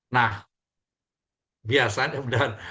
nah biasanya benar